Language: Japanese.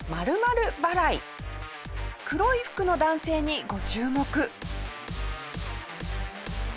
黒い服の男性にご注目。